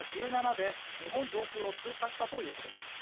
１７で、日本上空を通過したということです。